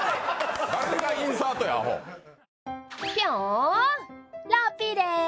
ぴょんラッピーです！